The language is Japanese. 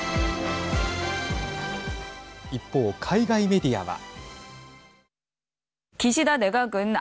一方、海外メディアは。